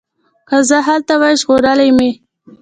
که زه هلته وای ژغورلي مي